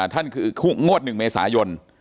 ท่านคืองวด๑เมษายน